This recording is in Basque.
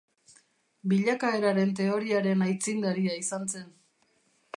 Bilakaeraren teoriaren aitzindaria izan zen.